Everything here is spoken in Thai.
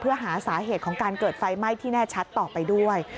เพื่อหาสาเหตุของการเกิดไฟไหม้ที่แน่ชัดต่อไปด้วย